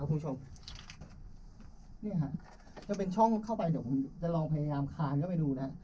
คุณผู้ชมนี่ฮะจะเป็นช่องเข้าไปเดี๋ยวผมจะลองพยายามคานเข้าไปดูนะ